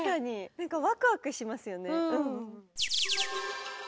なんかワクワクしますよね。